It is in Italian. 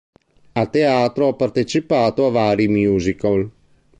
A teatro, ha partecipato a vari musical.